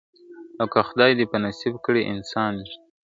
او که خدای دي په نصیب کړی انسان وي ,